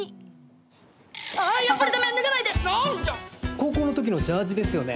高校の時のジャージですよね？